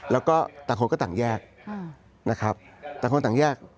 แล้วก็ต่างคนก็ต่างแยกนะครับต่างคนต่างแยก